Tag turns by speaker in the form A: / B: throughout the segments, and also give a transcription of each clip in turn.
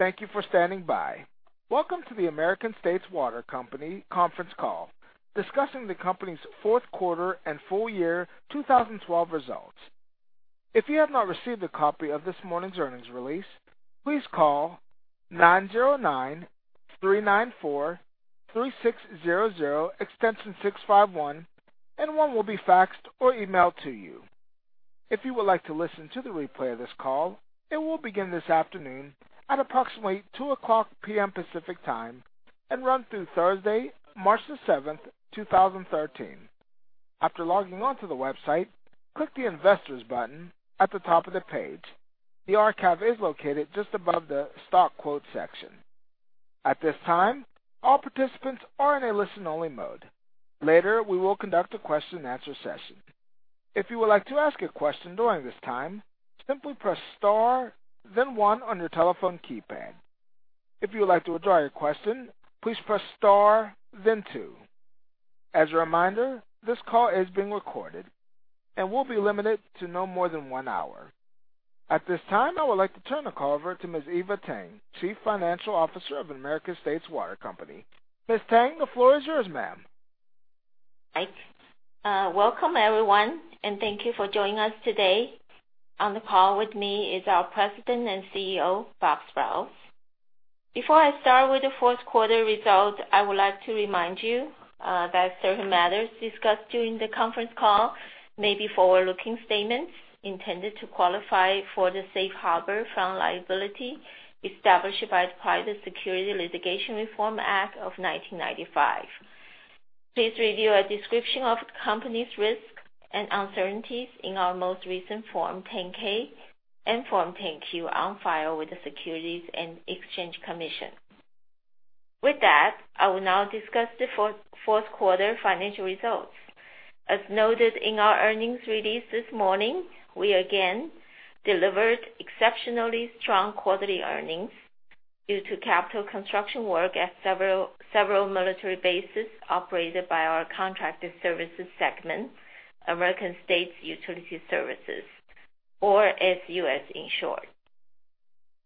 A: Thank you for standing by. Welcome to the American States Water Company conference call, discussing the company's fourth quarter and full year 2012 results. If you have not received a copy of this morning's earnings release, please call 909-394-3600, extension 651, and one will be faxed or emailed to you. If you would like to listen to the replay of this call, it will begin this afternoon at approximately 2:00 P.M. Pacific Time and run through Thursday, March the seventh, 2013. After logging on to the website, click the Investors button at the top of the page. The archive is located just above the Stock Quote section. At this time, all participants are in a listen-only mode. Later, we will conduct a question and answer session. If you would like to ask a question during this time, simply press star then one on your telephone keypad. If you would like to withdraw your question, please press star then two. As a reminder, this call is being recorded and will be limited to no more than one hour. At this time, I would like to turn the call over to Ms. Eva Tang, Chief Financial Officer of American States Water Company. Ms. Tang, the floor is yours, ma'am.
B: Mike. Welcome, everyone, and thank you for joining us today. On the call with me is our President and CEO, Bob Sprowls. Before I start with the fourth quarter result, I would like to remind you that certain matters discussed during the conference call may be forward-looking statements intended to qualify for the safe harbor from liability established by the Private Securities Litigation Reform Act of 1995. Please review a description of the company's risks and uncertainties in our most recent Form 10-K and Form 10-Q on file with the Securities and Exchange Commission. With that, I will now discuss the fourth quarter financial results. As noted in our earnings release this morning, we again delivered exceptionally strong quarterly earnings due to capital construction work at several military bases operated by our contracted services segment, American States Utility Services, or ASUS in short.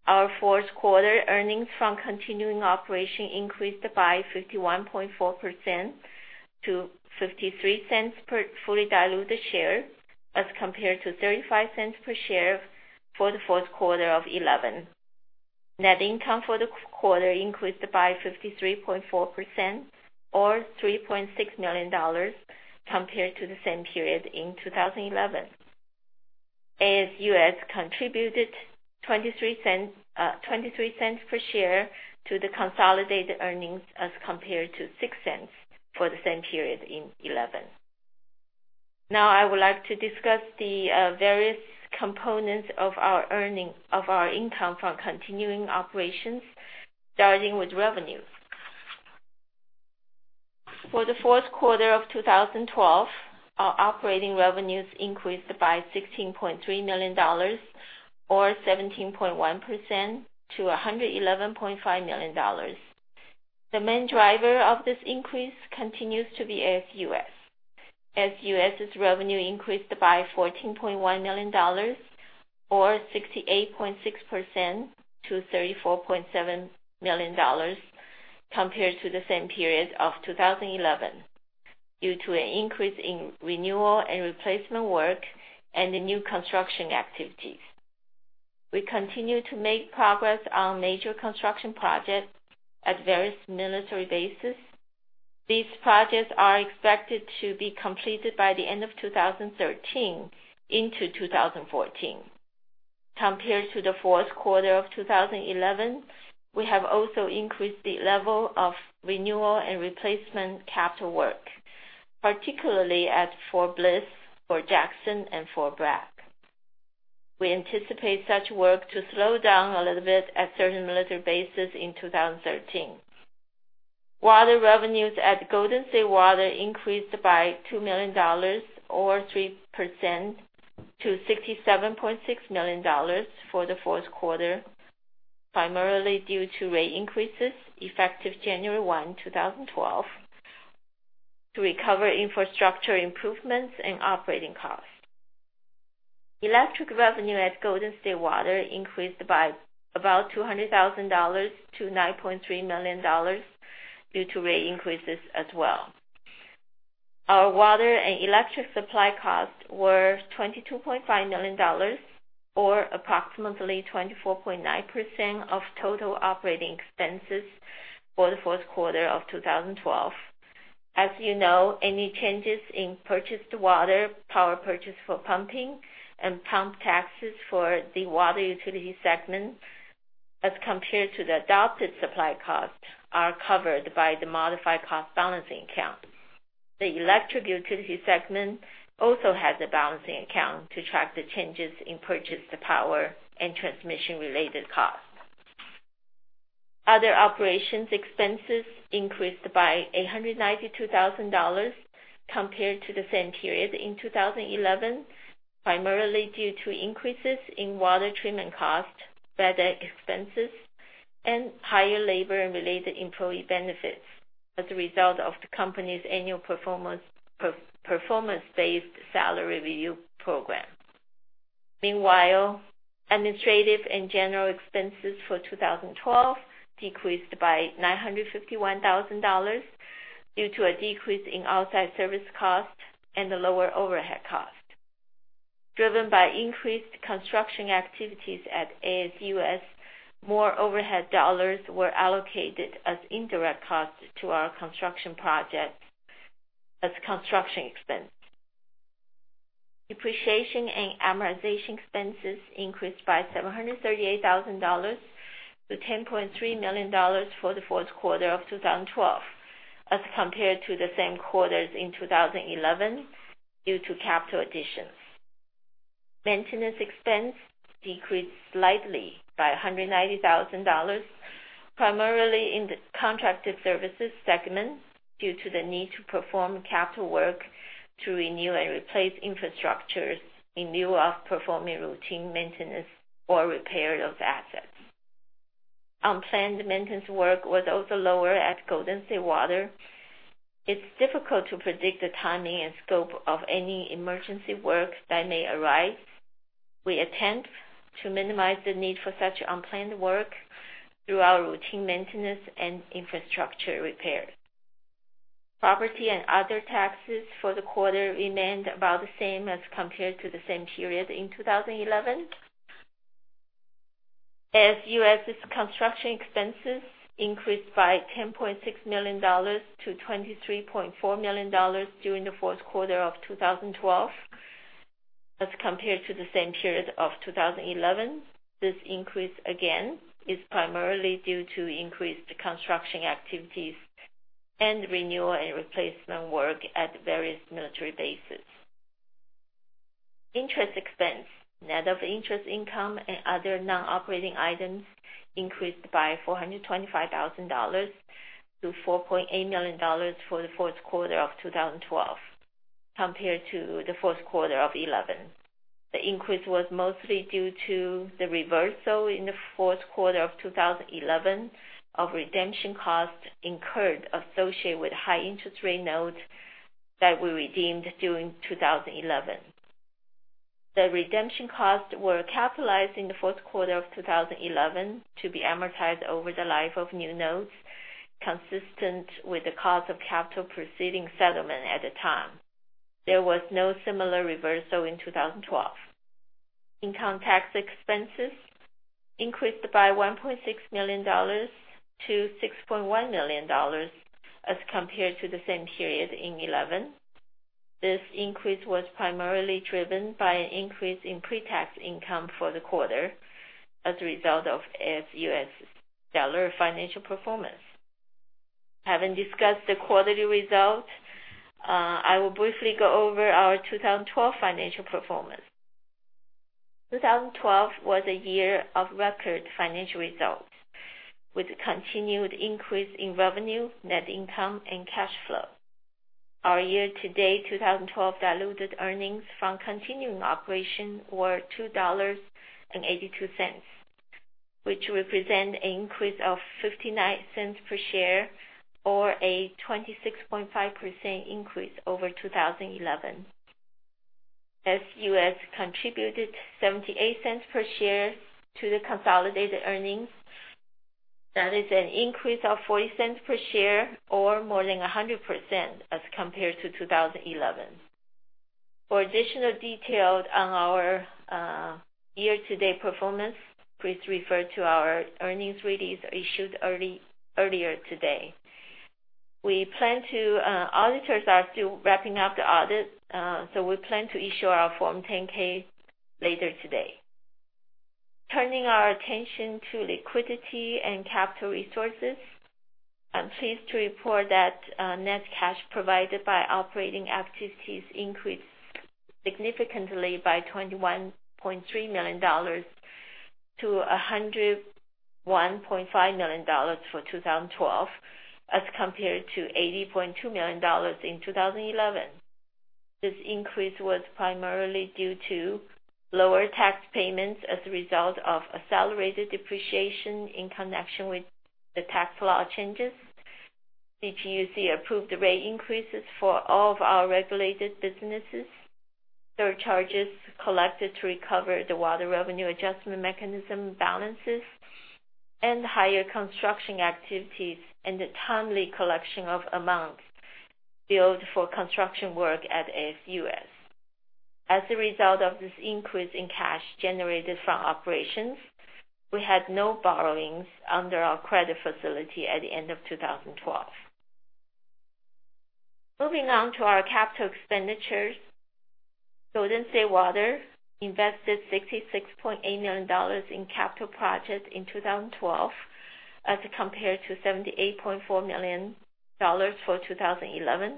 B: Our fourth quarter earnings from continuing operation increased by 51.4% to $0.53 per fully diluted share as compared to $0.35 per share for the fourth quarter of 2011. Net income for the quarter increased by 53.4% or $3.6 million compared to the same period in 2011. ASUS contributed $0.23 per share to the consolidated earnings as compared to $0.06 for the same period in 2011. Now I would like to discuss the various components of our income from continuing operations, starting with revenue. For the fourth quarter of 2012, our operating revenues increased by $16.3 million or 17.1% to $111.5 million. The main driver of this increase continues to be ASUS. ASUS' revenue increased by $14.1 million or 68.6% to $34.7 million compared to the same period of 2011 due to an increase in renewal and replacement work and the new construction activities. We continue to make progress on major construction projects at various military bases. These projects are expected to be completed by the end of 2013 into 2014. Compared to the fourth quarter of 2011, we have also increased the level of renewal and replacement capital work, particularly at Fort Bliss, Fort Jackson, and Fort Bragg. We anticipate such work to slow down a little bit at certain military bases in 2013. Water revenues at Golden State Water increased by $2 million or 3% to $67.6 million for the fourth quarter, primarily due to rate increases effective January 1, 2012, to recover infrastructure improvements and operating costs. Electric revenue at Golden State Water increased by about $200,000 to $9.3 million due to rate increases as well. Our water and electric supply costs were $22.5 million or approximately 24.9% of total operating expenses for the fourth quarter of 2012. As you know, any changes in purchased water, power purchased for pumping, and pump taxes for the water utility segment as compared to the adopted supply cost are covered by the Modified Cost Balancing Account. The electric utility segment also has a balancing account to track the changes in purchased power and transmission-related costs. Other operations expenses increased by $192,000 compared to the same period in 2011, primarily due to increases in water treatment cost, bad debt expenses, and higher labor and related employee benefits as a result of the company's annual performance-based salary review program. Administrative and general expenses for 2012 decreased by $951,000 due to a decrease in outside service costs and lower overhead costs. Driven by increased construction activities at ASUS, more overhead dollars were allocated as indirect costs to our construction projects as construction expense. Depreciation and amortization expenses increased by $738,000 to $10.3 million for the fourth quarter of 2012 as compared to the same quarter in 2011 due to capital additions. Maintenance expense decreased slightly by $190,000, primarily in the contracted services segment, due to the need to perform capital work to renew and replace infrastructures in lieu of performing routine maintenance or repair of assets. Unplanned maintenance work was also lower at Golden State Water. It's difficult to predict the timing and scope of any emergency work that may arise. We attempt to minimize the need for such unplanned work through our routine maintenance and infrastructure repairs. Property and other taxes for the quarter remained about the same as compared to the same period in 2011. ASUS's construction expenses increased by $10.6 million to $23.4 million during the fourth quarter of 2012 as compared to the same period of 2011. This increase, again, is primarily due to increased construction activities and renewal and replacement work at various military bases. Interest expense, net of interest income, and other non-operating items increased by $425,000 to $4.8 million for the fourth quarter of 2012 compared to the fourth quarter of 2011. The increase was mostly due to the reversal in the fourth quarter of 2011 of redemption costs incurred associated with high-interest rate notes that were redeemed during 2011. The redemption costs were capitalized in the fourth quarter of 2011 to be amortized over the life of new notes, consistent with the cost of capital proceeding settlement at the time. There was no similar reversal in 2012. Income tax expenses increased by $1.6 million to $6.1 million as compared to the same period in 2011. This increase was primarily driven by an increase in pre-tax income for the quarter as a result of ASUS's stellar financial performance. Having discussed the quarterly results, I will briefly go over our 2012 financial performance. 2012 was a year of record financial results with continued increase in revenue, net income, and cash flow. Our year-to-date 2012 diluted earnings from continuing operations were $2.82, which represent an increase of $0.59 per share or a 26.5% increase over 2011. ASUS contributed $0.78 per share to the consolidated earnings. That is an increase of $0.40 per share or more than 100% as compared to 2011. For additional details on our year-to-date performance, please refer to our earnings release issued earlier today. We plan to issue our Form 10-K later today. Turning our attention to liquidity and capital resources, I'm pleased to report that net cash provided by operating activities increased significantly by $21.3 million to $101.5 million for 2012 as compared to $80.2 million in 2011. This increase was primarily due to lower tax payments as a result of accelerated depreciation in connection with the tax law changes. CPUC approved the rate increases for all of our regulated businesses. There were charges collected to recover the Water Revenue Adjustment Mechanism balances and higher construction activities and the timely collection of amounts billed for construction work at ASUS. As a result of this increase in cash generated from operations, we had no borrowings under our credit facility at the end of 2012. Moving on to our capital expenditures, Golden State Water invested $66.8 million in capital projects in 2012 as compared to $78.4 million for 2011.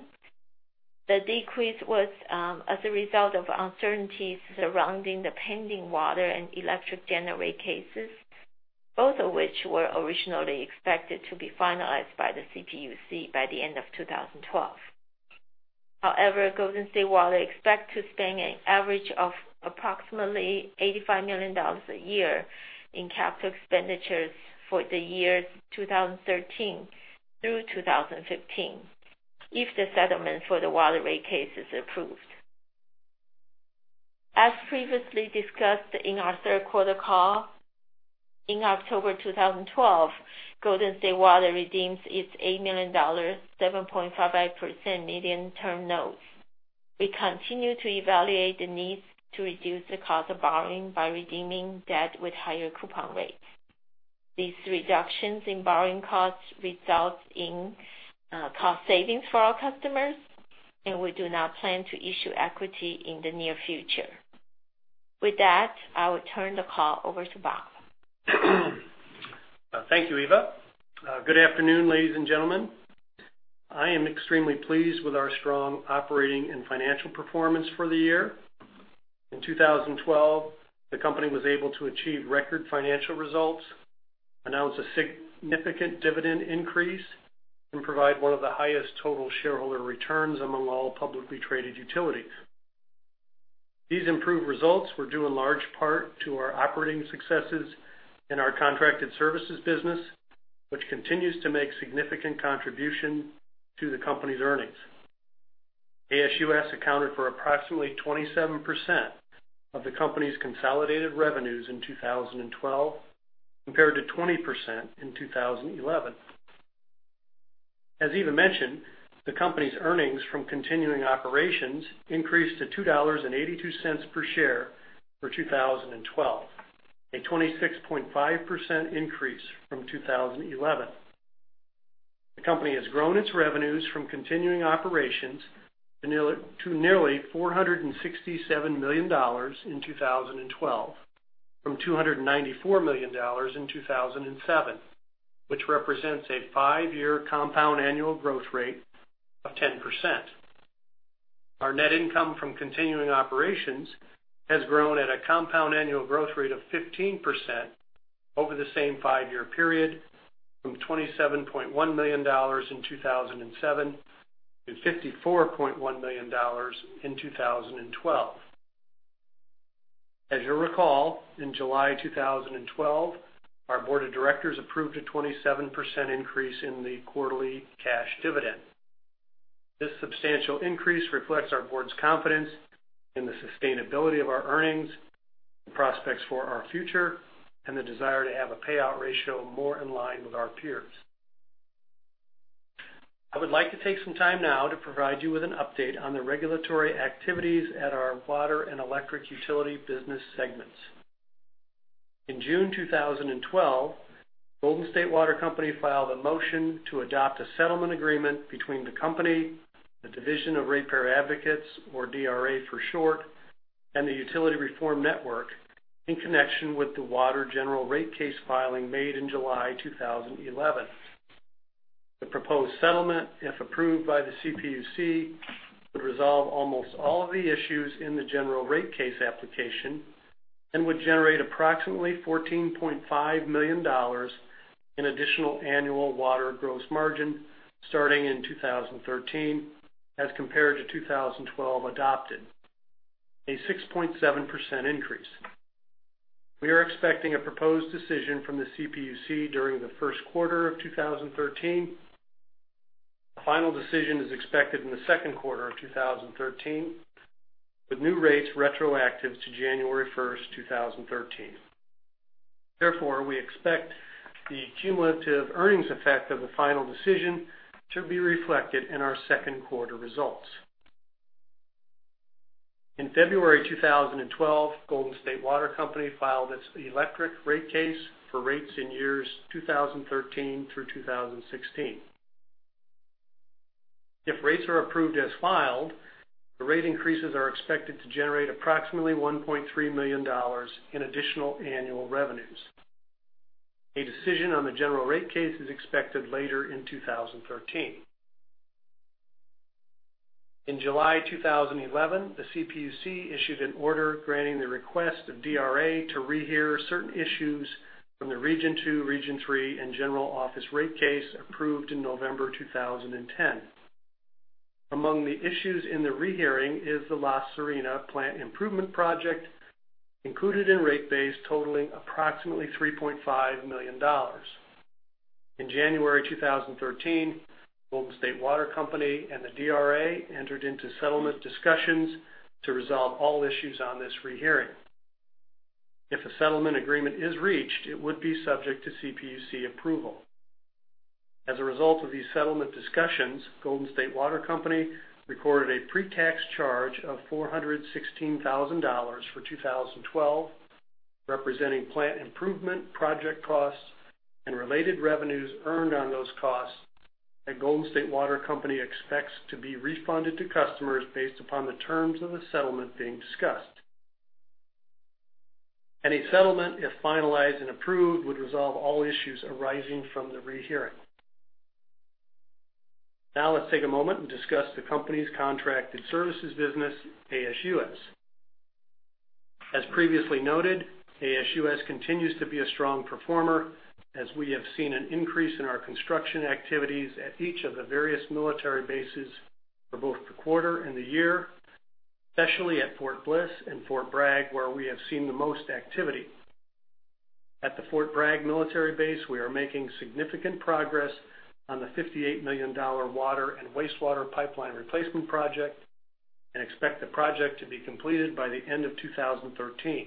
B: The decrease was as a result of uncertainties surrounding the pending water and electric general rate cases, both of which were originally expected to be finalized by the CPUC by the end of 2012. However, Golden State Water expects to spend an average of approximately $85 million a year in capital expenditures for the years 2013 through 2015 if the settlement for the Water Rate Case is approved. As previously discussed in our third quarter call, in October 2012, Golden State Water redeemed its $8 million, 7.55% medium-term notes. We continue to evaluate the needs to reduce the cost of borrowing by redeeming debt with higher coupon rates. These reductions in borrowing costs result in cost savings for our customers. We do not plan to issue equity in the near future. With that, I will turn the call over to Bob.
C: Thank you, Eva. Good afternoon, ladies and gentlemen. I am extremely pleased with our strong operating and financial performance for the year. In 2012, the company was able to achieve record financial results, announce a significant dividend increase, and provide one of the highest total shareholder returns among all publicly traded utilities. These improved results were due in large part to our operating successes in our contracted services business, which continues to make significant contribution to the company's earnings. ASUS accounted for approximately 27% of the company's consolidated revenues in 2012, compared to 20% in 2011. As Eva mentioned, the company's earnings from continuing operations increased to $2.82 per share for 2012, a 26.5% increase from 2011. The company has grown its revenues from continuing operations to nearly $467 million in 2012 from $294 million in 2007, which represents a five-year compound annual growth rate of 10%. Our net income from continuing operations has grown at a compound annual growth rate of 15% over the same five-year period, from $27.1 million in 2007 to $54.1 million in 2012. As you recall, in July 2012, our board of directors approved a 27% increase in the quarterly cash dividend. This substantial increase reflects our board's confidence in the sustainability of our earnings, the prospects for our future, and the desire to have a payout ratio more in line with our peers. I would like to take some time now to provide you with an update on the regulatory activities at our water and electric utility business segments. In June 2012, Golden State Water Company filed a motion to adopt a settlement agreement between the company, the Division of Ratepayer Advocates, or DRA for short, and The Utility Reform Network in connection with the water general rate case filing made in July 2011. The proposed settlement, if approved by the CPUC, would resolve almost all of the issues in the general rate case application and would generate approximately $14.5 million in additional annual water gross margin starting in 2013 as compared to 2012 adopted. A 6.7% increase. We are expecting a proposed decision from the CPUC during the first quarter of 2013. A final decision is expected in the second quarter of 2013, with new rates retroactive to January 1st, 2013. Therefore, we expect the cumulative earnings effect of the final decision to be reflected in our second quarter results. In February 2012, Golden State Water Company filed its electric rate case for rates in years 2013 through 2016. If rates are approved as filed, the rate increases are expected to generate approximately $1.3 million in additional annual revenues. A decision on the general rate case is expected later in 2013. In July 2011, the CPUC issued an order granting the request of DRA to rehear certain issues from the Region 2, Region 3, and General Office rate case approved in November 2010. Among the issues in the rehearing is the La Serena plant improvement project included in rate base totaling approximately $3.5 million. In January 2013, Golden State Water Company and the DRA entered into settlement discussions to resolve all issues on this rehearing. If a settlement agreement is reached, it would be subject to CPUC approval. As a result of these settlement discussions, Golden State Water Company recorded a pre-tax charge of $416,000 for 2012, representing plant improvement project costs and related revenues earned on those costs that Golden State Water Company expects to be refunded to customers based upon the terms of the settlement being discussed. Any settlement, if finalized and approved, would resolve all issues arising from the rehearing. Let's take a moment and discuss the company's contracted services business, ASUS. As previously noted, ASUS continues to be a strong performer as we have seen an increase in our construction activities at each of the various military bases for both the quarter and the year, especially at Fort Bliss and Fort Bragg, where we have seen the most activity. At the Fort Bragg military base, we are making significant progress on the $58 million water and wastewater pipeline replacement project, and expect the project to be completed by the end of 2013.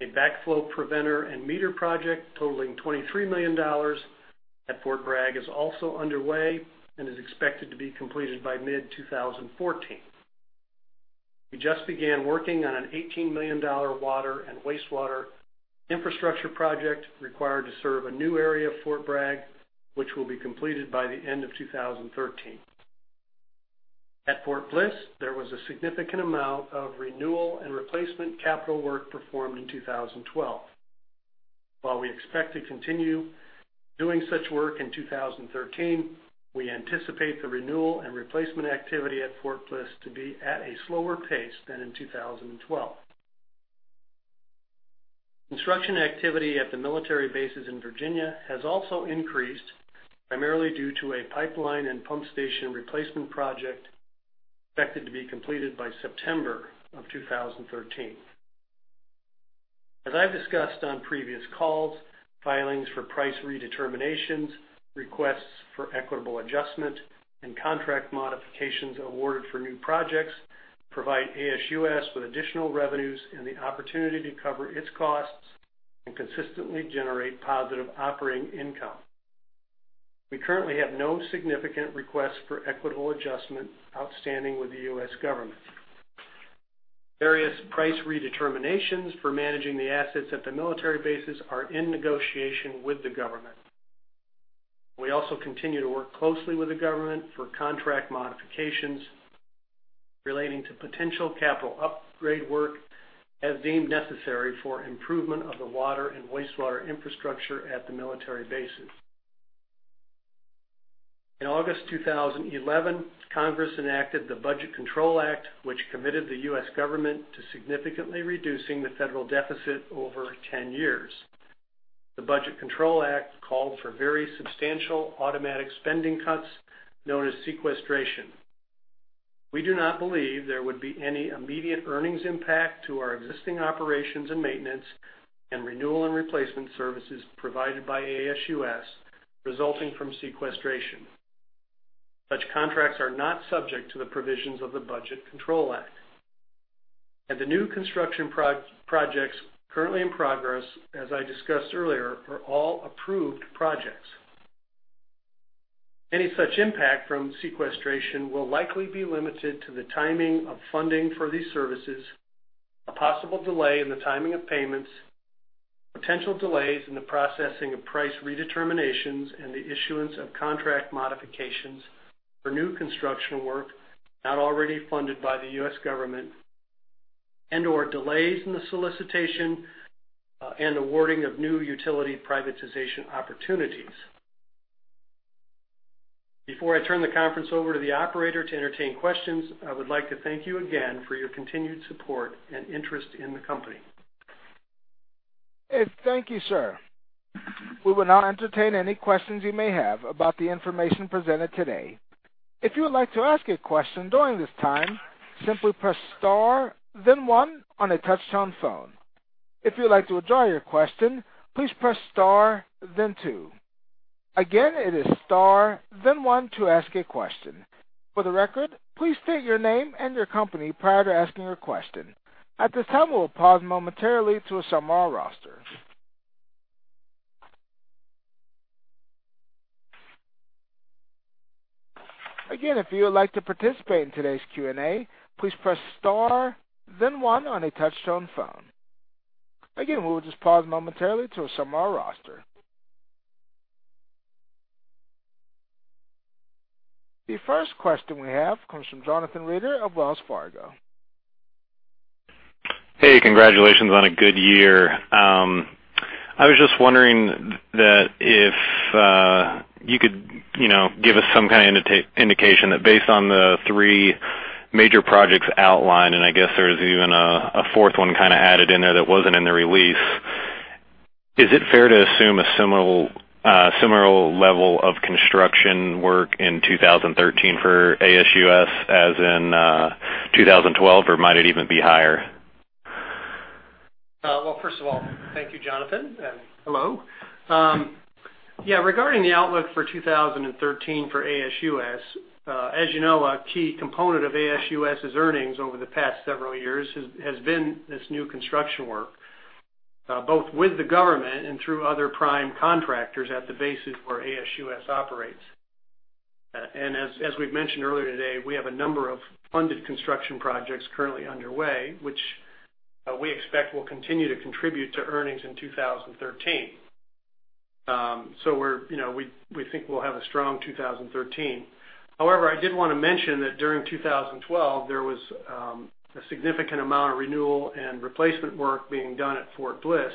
C: A backflow preventer and meter project totaling $23 million at Fort Bragg is also underway, and is expected to be completed by mid-2014. We just began working on an $18 million water and wastewater infrastructure project required to serve a new area of Fort Bragg, which will be completed by the end of 2013. At Fort Bliss, there was a significant amount of renewal and replacement capital work performed in 2012. While we expect to continue doing such work in 2013, we anticipate the renewal and replacement activity at Fort Bliss to be at a slower pace than in 2012. Construction activity at the military bases in Virginia has also increased, primarily due to a pipeline and pump station replacement project expected to be completed by September of 2013. As I've discussed on previous calls, filings for price redeterminations, requests for equitable adjustment, and contract modifications awarded for new projects provide ASUS with additional revenues and the opportunity to cover its costs and consistently generate positive operating income. We currently have no significant requests for equitable adjustment outstanding with the U.S. government. Various price redeterminations for managing the assets at the military bases are in negotiation with the government. We also continue to work closely with the government for contract modifications relating to potential capital upgrade work as deemed necessary for improvement of the water and wastewater infrastructure at the military bases. In August 2011, Congress enacted the Budget Control Act, which committed the U.S. government to significantly reducing the federal deficit over 10 years. The Budget Control Act called for very substantial automatic spending cuts, known as sequestration. We do not believe there would be any immediate earnings impact to our existing operations and maintenance and renewal and replacement services provided by ASUS resulting from sequestration. Such contracts are not subject to the provisions of the Budget Control Act. The new construction projects currently in progress, as I discussed earlier, are all approved projects. Any such impact from sequestration will likely be limited to the timing of funding for these services, a possible delay in the timing of payments, potential delays in the processing of price redeterminations, and the issuance of contract modifications for new construction work not already funded by the U.S. government, and/or delays in the solicitation and awarding of new utility privatization opportunities. Before I turn the conference over to the operator to entertain questions, I would like to thank you again for your continued support and interest in the company.
A: Thank you, sir. We will now entertain any questions you may have about the information presented today. If you would like to ask a question during this time, simply press star then one on a touch-tone phone. If you would like to withdraw your question, please press star then two. Again, it is star then one to ask a question. For the record, please state your name and your company prior to asking your question. At this time, we will pause momentarily to assemble our roster. Again, if you would like to participate in today's Q&A, please press star then one on a touch-tone phone. Again, we will just pause momentarily to assemble our roster. The first question we have comes from Jonathan Reeder of Wells Fargo.
D: Hey, congratulations on a good year. I was just wondering if you could give us some kind of indication that based on the three major projects outlined, I guess there's even a fourth one kind of added in there that wasn't in the release. Is it fair to assume a similar level of construction work in 2013 for ASUS as in 2012? Might it even be higher?
C: Well, first of all, thank you, Jonathan, and hello. Yeah, regarding the outlook for 2013 for ASUS, as you know, a key component of ASUS's earnings over the past several years has been this new construction work, both with the government and through other prime contractors at the bases where ASUS operates. As we've mentioned earlier today, we have a number of funded construction projects currently underway, which we expect will continue to contribute to earnings in 2013. We think we'll have a strong 2013. However, I did want to mention that during 2012, there was a significant amount of renewal and replacement work being done at Fort Bliss,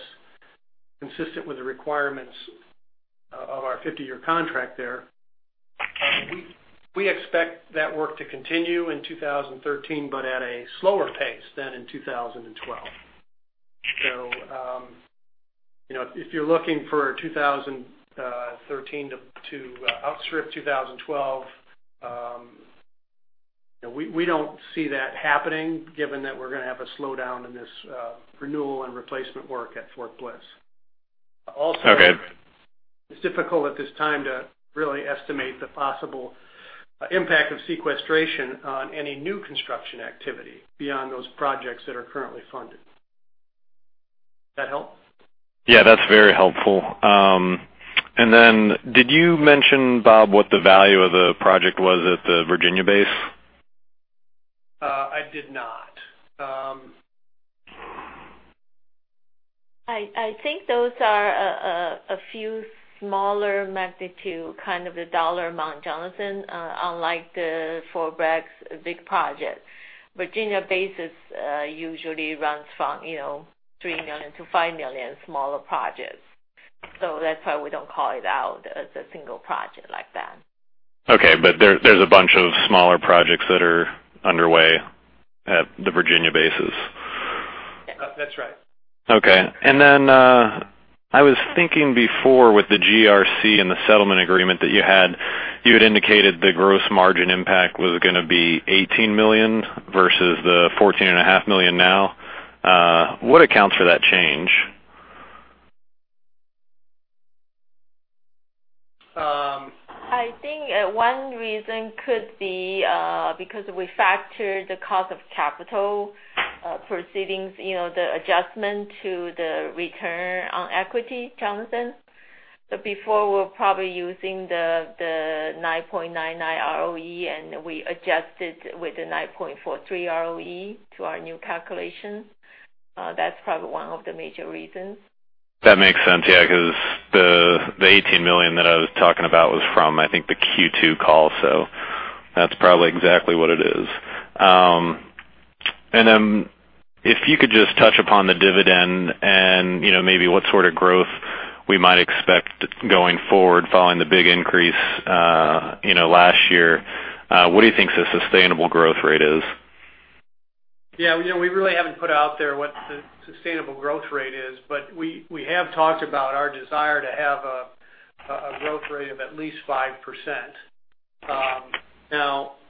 C: consistent with the requirements of our 50-year contract there. We expect that work to continue in 2013, but at a slower pace than in 2012. if you're looking for 2013 to outstrip 2012, We don't see that happening given that we're going to have a slowdown in this renewal and replacement work at Fort Bliss.
D: Okay.
C: it's difficult at this time to really estimate the possible impact of sequestration on any new construction activity beyond those projects that are currently funded. That help?
D: Yeah, that's very helpful. Did you mention, Bob, what the value of the project was at the Virginia base?
C: I did not.
B: I think those are a few smaller magnitude, kind of the dollar amount, Jonathan, unlike the Fort Bragg's big projects. Virginia bases usually runs from $3 million to $5 million, smaller projects. That's why we don't call it out as a single project like that.
D: There's a bunch of smaller projects that are underway at the Virginia bases.
C: That's right.
D: I was thinking before with the GRC and the settlement agreement that you had, you had indicated the gross margin impact was going to be $18 million versus the $14.5 million now. What accounts for that change?
B: I think one reason could be because we factored the cost of capital proceedings, the adjustment to the return on equity, Jonathan. Before, we were probably using the 9.99 ROE, and we adjusted with the 9.43 ROE to our new calculation. That's probably one of the major reasons.
D: That makes sense. Because the $18 million that I was talking about was from, I think, the Q2 call, so that's probably exactly what it is. If you could just touch upon the dividend and maybe what sort of growth we might expect going forward following the big increase last year. What do you think the sustainable growth rate is?
C: We really haven't put out there what the sustainable growth rate is, but we have talked about our desire to have a growth rate of at least 5%.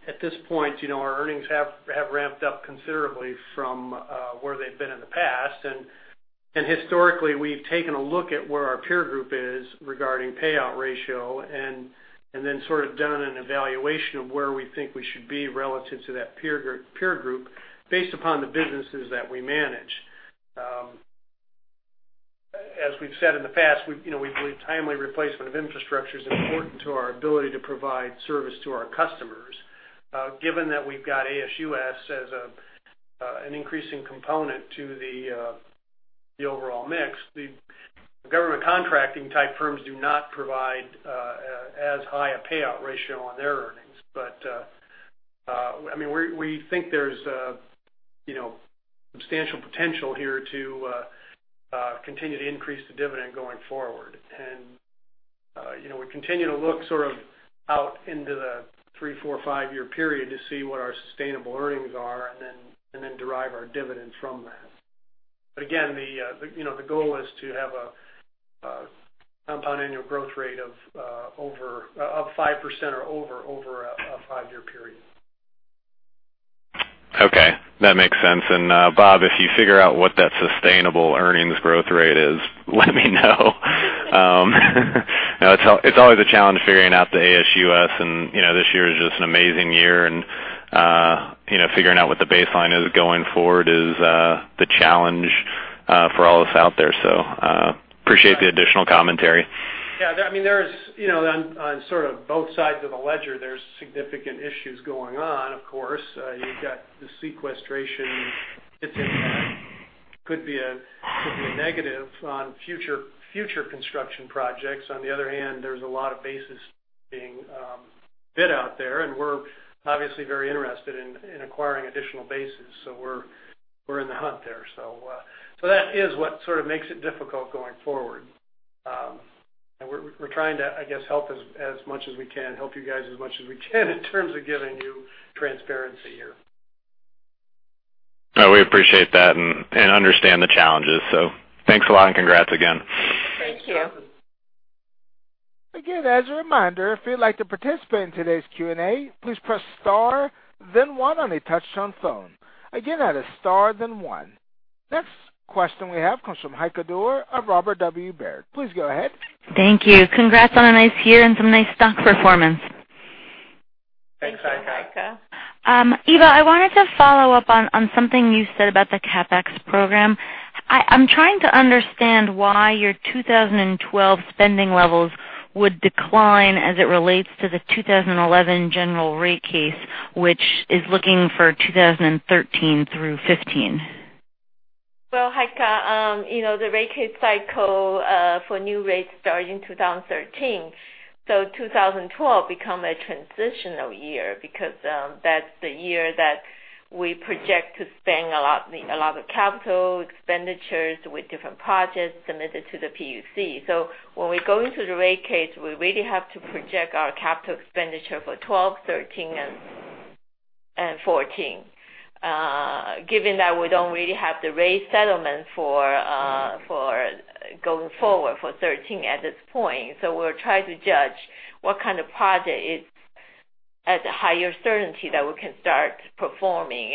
C: At this point, our earnings have ramped up considerably from where they've been in the past. Historically, we've taken a look at where our peer group is regarding payout ratio, and then sort of done an evaluation of where we think we should be relative to that peer group based upon the businesses that we manage. As we've said in the past, we believe timely replacement of infrastructure is important to our ability to provide service to our customers. Given that we've got ASUS as an increasing component to the overall mix, the government contracting type firms do not provide as high a payout ratio on their earnings. We think there's substantial potential here to continue to increase the dividend going forward. We continue to look sort of out into the three, four, five-year period to see what our sustainable earnings are and then derive our dividends from that. Again, the goal is to have a compound annual growth rate of 5% or over a five-year period.
D: Okay, that makes sense. Bob, if you figure out what that sustainable earnings growth rate is, let me know. It's always a challenge figuring out the ASUS, this year is just an amazing year, figuring out what the baseline is going forward is the challenge for all of us out there. Appreciate the additional commentary.
C: Yeah. On sort of both sides of the ledger, there's significant issues going on, of course. You've got the sequestration, its impact could be a negative on future construction projects. On the other hand, there's a lot of bases being bid out there, we're obviously very interested in acquiring additional bases. We're in the hunt there. That is what sort of makes it difficult going forward. We're trying to, I guess, help as much as we can, help you guys as much as we can in terms of giving you transparency here.
D: We appreciate that and understand the challenges. Thanks a lot and congrats again.
B: Thank you.
A: Again, as a reminder, if you'd like to participate in today's Q&A, please press star then one on a touch-tone phone. Again, that is star then one. Next question we have comes from Heike Doerr of Robert W. Baird. Please go ahead.
E: Thank you. Congrats on a nice year and some nice stock performance.
C: Thanks, Heike.
B: Thanks, Heike.
E: Eva, I wanted to follow up on something you said about the CapEx program. I'm trying to understand why your 2012 spending levels would decline as it relates to the 2011 general rate case, which is looking for 2013 through 2015.
B: Well, Heike, the rate case cycle for new rates starts in 2013. 2012 become a transitional year because that's the year that we project to spend a lot of capital expenditures with different projects submitted to the PUC. When we go into the rate case, we really have to project our capital expenditure for 2012, 2013, and 2014. Given that we don't really have the rate settlement for going forward for 2013 at this point. We're trying to judge what kind of project is at higher certainty that we can start performing.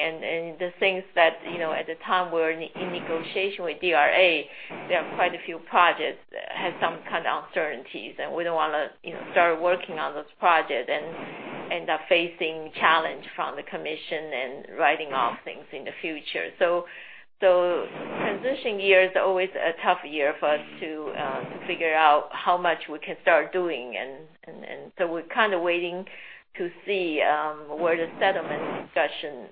B: The things that, at the time, we're in negotiation with DRA, there are quite a few projects that have some kind of uncertainties, and we don't want to start working on those projects and end up facing challenge from the commission and writing off things in the future. Transition year is always a tough year for us to figure out how much we can start doing. We're kind of waiting to see where the settlement discussion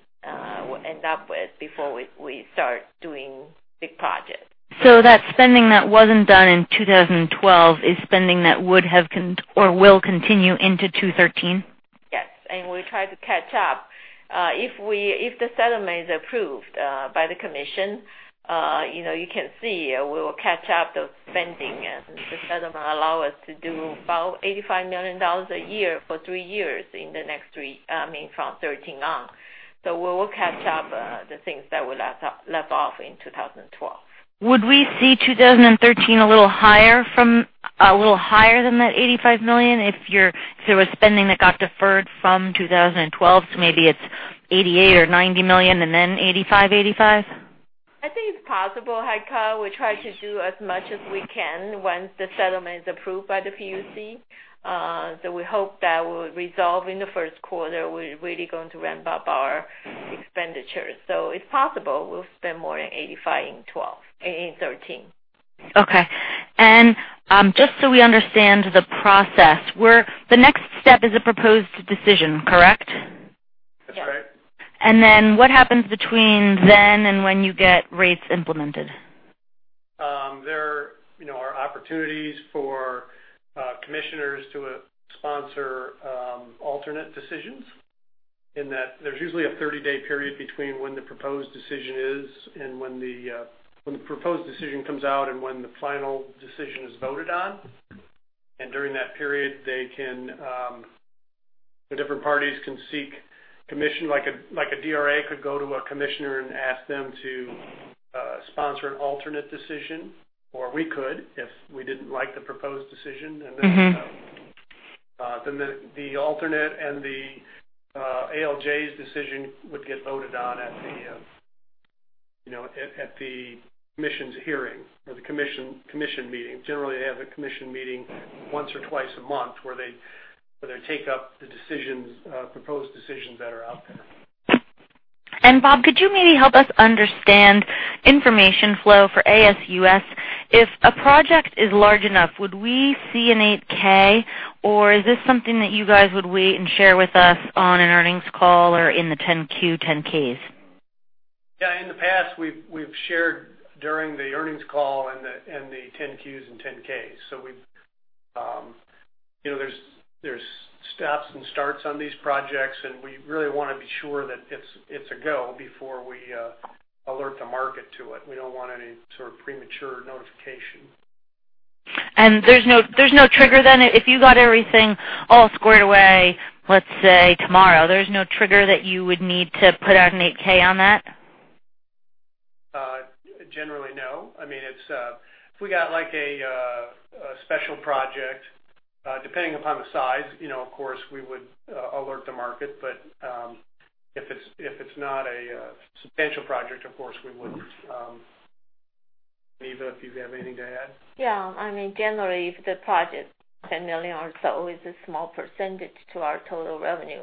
B: will end up with before we start doing big projects.
E: That spending that wasn't done in 2012 is spending that would have or will continue into 2013?
B: Yes. We try to catch up. If the settlement is approved by the commission, you can see we will catch up the spending. The settlement allow us to do about $85 million a year for three years in the next three, I mean, from 2013 on. We will catch up the things that were left off in 2012.
E: Would we see 2013 a little higher than that $85 million if there was spending that got deferred from 2012? Maybe it's $88 million or $90 million and then $85 million?
B: I think it's possible, Heike. We try to do as much as we can once the settlement is approved by the PUC. We hope that will resolve in the first quarter. We're really going to ramp up our expenditures. It's possible we'll spend more than $85 million in 2013.
E: Okay. Just so we understand the process, the next step is a proposed decision, correct?
C: That's right.
E: What happens between then and when you get rates implemented?
C: There are opportunities for commissioners to sponsor alternate decisions, in that there is usually a 30-day period between when the proposed decision comes out and when the final decision is voted on. During that period, the different parties can seek commission, like a DRA could go to a commissioner and ask them to sponsor an alternate decision, or we could if we did not like the proposed decision. The alternate and the ALJ's decision would get voted on at the commission's hearing or the commission meeting. Generally, they have a commission meeting once or twice a month where they take up the proposed decisions that are out there.
E: Bob, could you maybe help us understand information flow for ASUS? If a project is large enough, would we see an 8-K? Or is this something that you guys would wait and share with us on an earnings call or in the 10-Q, 10-Ks?
C: Yeah. In the past, we've shared during the earnings call and the 10-Qs and 10-Ks. There's stops and starts on these projects, and we really want to be sure that it's a go before we alert the market to it. We don't want any sort of premature notification.
E: There's no trigger, then? If you got everything all squared away, let's say tomorrow, there's no trigger that you would need to put out an 8-K on that?
C: Generally, no. If we got a special project, depending upon the size, of course, we would alert the market. If it's not a substantial project, of course we wouldn't. Eva, if you have anything to add?
B: Generally, if the project, $10 million or so, is a small percentage to our total revenue.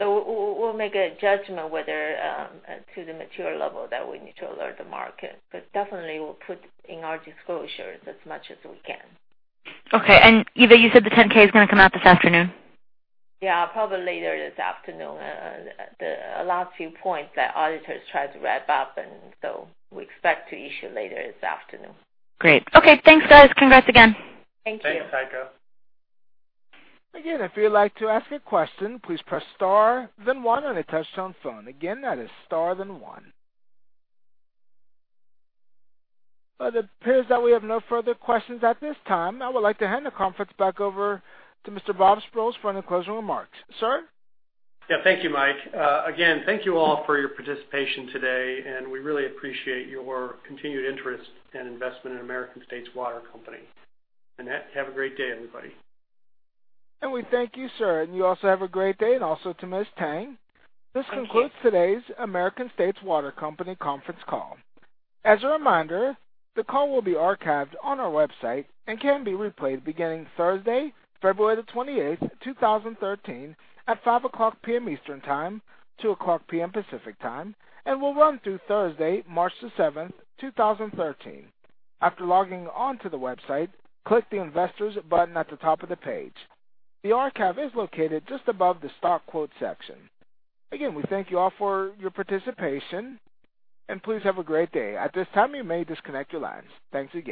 B: We'll make a judgment whether to the matERIAL level that we need to alert the market. Definitely, we'll put in our disclosures as much as we can.
E: Okay. Eva, you said the 10-K is going to come out this afternoon?
B: Probably later this afternoon. The last few points that auditors try to wrap up, we expect to issue later this afternoon.
E: Great. Okay, thanks, guys. Congrats again.
B: Thank you.
C: Thanks, Heike.
A: Again, if you'd like to ask a question, please press star then one on a touch-tone phone. Again. That is star then one. It appears that we have no further questions at this time. I would like to hand the conference back over to Mr. Bob Sprowls for any closing remarks. Sir?
C: Yeah. Thank you, Mike. Again, thank you all for your participation today, and we really appreciate your continued interest and investment in American States Water Company. Have a great day, everybody.
A: We thank you, sir. You also have a great day and also to Ms. Tang.
B: Thank you.
A: This concludes today's American States Water Company conference call. As a reminder, the call will be archived on our website and can be replayed beginning Thursday, February the 28th, 2013, at 5:00 P.M. Eastern Time, 2:00 P.M. Pacific Time, and will run through Thursday, March the 7th, 2013. After logging on to the website, click the Investors button at the top of the page. The archive is located just above the stock quote section. Again, we thank you all for your participation, and please have a great day. At this time, you may disconnect your lines. Thanks again